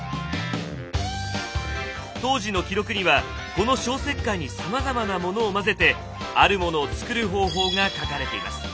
当時の記録にはこの消石灰にさまざまなものを混ぜてあるモノを作る方法が書かれています。